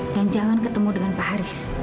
dan jangan ketemu dengan pak haris